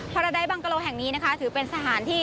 ภาระดายบางกะโลแห่งนี้ถือเป็นสถานที่